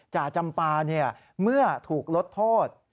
จ่าจำปาเมื่อถูกลดโทษ